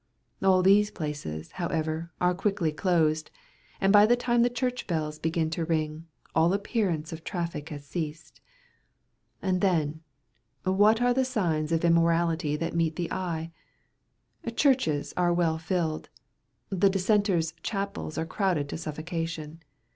All these places, however, are quickly closed; and by the time the church bells begin to ring, all appearance of traffic has ceased. And then, what are the signs of immorality that meet the eye? Churches are well filled, and Dissenters' chapels are crowded to suffocation.